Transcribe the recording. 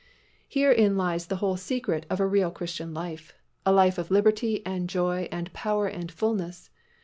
Herein lies the whole secret of a real Christian life, a life of liberty and joy and power and fullness.